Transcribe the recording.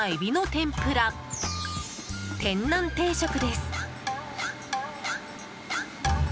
天南定食です。